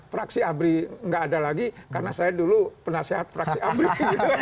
praksi abri enggak ada lagi karena saya dulu penasehat praksi abri gitu